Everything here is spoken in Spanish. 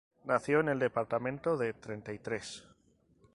Nació en el departamento de Treinta y Tres.